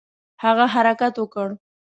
هغه حرکت وکړ.